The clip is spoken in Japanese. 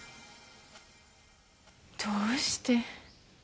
どうして？